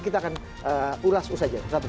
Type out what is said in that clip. kita akan ulas ulas saja